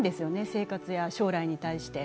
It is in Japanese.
生活や将来に対して。